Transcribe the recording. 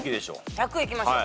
１００いきましょう。